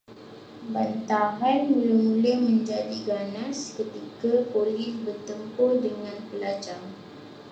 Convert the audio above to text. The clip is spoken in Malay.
Bantahan mula-mula menjadi ganas ketika polis bertempur dengan pelajar